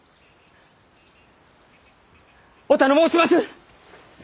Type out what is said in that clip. お頼申します！